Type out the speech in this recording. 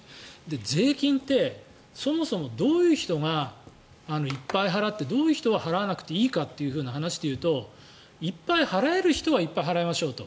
税金ってそもそもどういう人がいっぱい払ってどういう人は払わなくていいかというふうな話でいうといっぱい払える人はいっぱい払いましょうと。